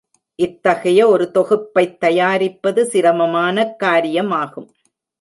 இத்தகைய ஒரு தொகுப்பைத் தயாரிப்பது சிரமமானக் காரியமாகும்.